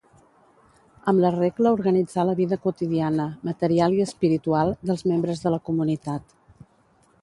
Amb la regla organitzà la vida quotidiana, material i espiritual, dels membres de la comunitat.